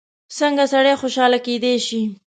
څنګه سړی خوشحاله کېدای شي؟